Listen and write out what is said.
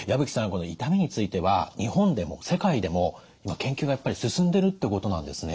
この痛みについては日本でも世界でも今研究がやっぱり進んでるってことなんですね？